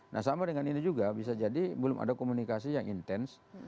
nah sama dengan ini juga bisa jadi belum ada komunikasi yang intens